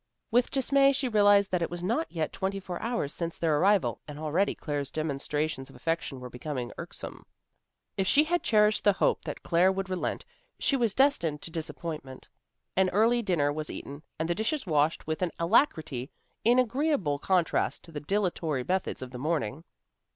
With dismay she realized that it was not yet twenty four hours since their arrival, and already Claire's demonstrations of affection were becoming irksome. If she had cherished the hope that Claire would relent, she was destined to disappointment. An early dinner was eaten, and the dishes washed with an alacrity in agreeable contrast to the dilatory methods of the morning.